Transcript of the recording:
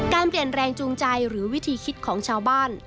เปลี่ยนแรงจูงใจหรือวิธีคิดของชาวบ้าน